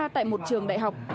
tại một trường đại học